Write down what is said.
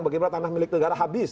bagaimana tanah milik negara habis